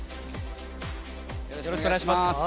よろしくお願いします。